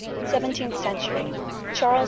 SEVENTEENTH CENTURY. CHARLES II.